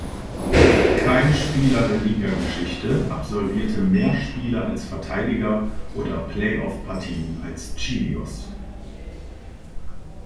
Kein Spieler der Ligageschichte absolvierte mehr Spiele als Verteidiger oder Playoff-Partien als Chelios.